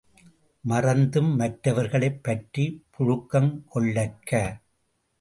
மறந்தும் மற்றவர்களைப் பற்றிப் புழுக்கம் கொள்ளற்க!